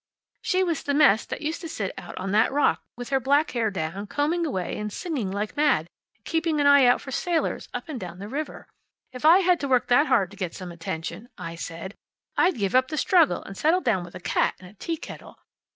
She was the mess who used to sit out on a rock with her back hair down, combing away and singing like mad, and keeping an eye out for sailors up and down the river. If I had to work that hard to get some attention,' I said, `I'd give up the struggle, and settle down with a cat and a teakettle.'